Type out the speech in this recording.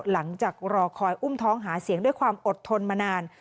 หลังจากรอคอยอุ้มท้องหาเสียงด้วยความอดทนมานาน